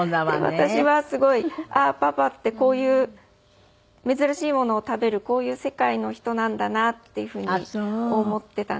私はすごいああーパパってこういう珍しいものを食べるこういう世界の人なんだなっていうふうに思っていたんですけれども。